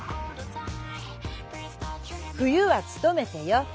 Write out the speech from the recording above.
冬はつとめてよ。